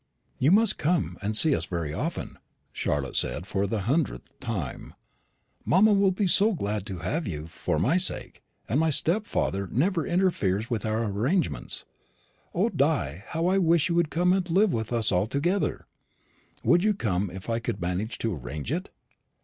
"You must come and see us very often," Charlotte said for the hundredth time; "mamma will be so glad to have you, for my sake; and my stepfather never interferes with our arrangements. O, Di, how I wish you would come and live with us altogether! Would you come, if I could manage to arrange it?"